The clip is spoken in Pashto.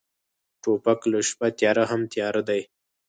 توپک له شپه تیاره هم تیاره دی.